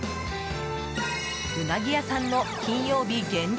ウナギ屋さんの金曜日限定